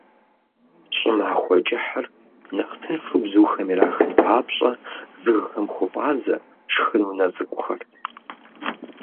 ЩӀымахуэ кӀыхьыр нэхъ тыншу бзухэм ирахын папщӀэ, жыгхэм хуфӀадзэ шхын унэ цӀыкӀухэр.